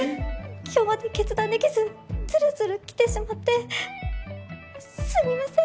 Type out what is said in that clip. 今日まで決断できずズルズル来てしまってすみません。